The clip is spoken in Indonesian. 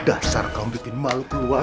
dasar kau bikin malu keluar